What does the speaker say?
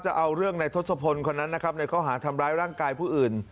จะเอาเรื่องในทศพลคนนั้นนะครับในข้อหาทำร้ายร่างกายผู้อื่น